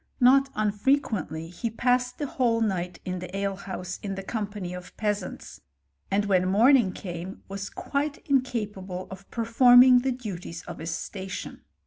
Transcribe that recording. Not unfrequently he passed the whole night in the alehouse, in the company of peasants, and ^hen morning came, was quite incapable of perform ing the duties of his station.